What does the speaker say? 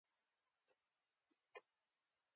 هغه ښکار ته ور کوز شو.